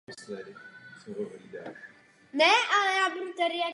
Máte o tom nějaké informace?